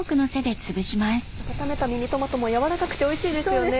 温めたミニトマトも軟らかくておいしいですよね。